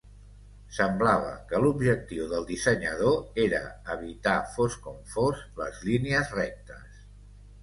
Semblava que l'objectiu del dissenyador era evitar fos com fos les línies rectes.